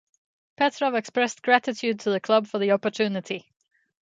Petrov expressed gratitude to the club for the opportunity.